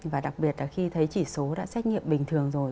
và đặc biệt là khi thấy chỉ số đã xét nghiệm bình thường rồi